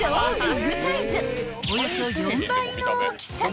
［およそ４倍の大きさ］